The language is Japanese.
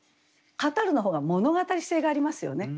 「語る」の方が物語性がありますよね。